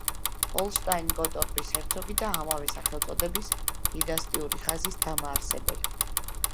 ჰოლშტაინ-გოტორპის ჰერცოგი და ამავე სახელწოდების დინასტიური ხაზის დამაარსებელი.